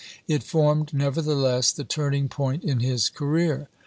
It formed, nevertheless, the turning point in his career.